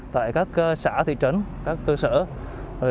tại các xã thị trấn cơ sở